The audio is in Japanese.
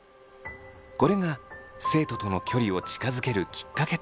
これが生徒との距離を近づけるきっかけとなり。